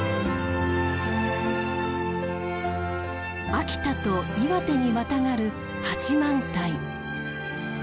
秋田と岩手にまたがる八幡平。